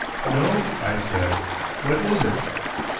"No," I said, "what is it?"